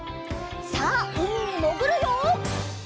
さあうみにもぐるよ！